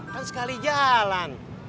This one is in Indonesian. kan sekali jalan